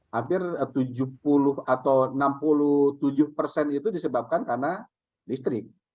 hampir tujuh puluh atau enam puluh tujuh persen itu disebabkan karena listrik